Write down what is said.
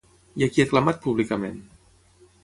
I a qui ha aclamat públicament?